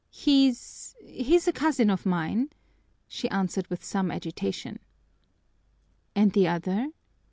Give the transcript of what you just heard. "He's he's a cousin of mine," she answered with some agitation. "And the other?"